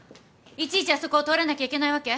いちいちあそこを通らなきゃいけないわけ！？